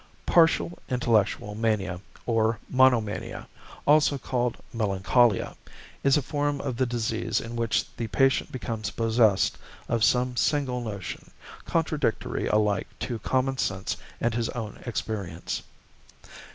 =Partial Intellectual Mania=, or =Monomania=, also called =Melancholia=, is a form of the disease in which the patient becomes possessed of some single notion, contradictory alike to common sense and his own experience.